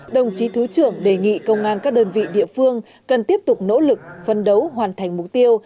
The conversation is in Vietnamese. đồng chí thứ trưởng đề nghị công an các đơn vị địa phương cần tiếp tục nỗ lực phân đấu hoàn thành mục tiêu